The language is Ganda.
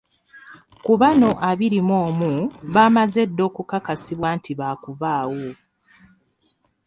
Ku bano abiri mu omu baamaze dda okukakasa nti baakubaawo.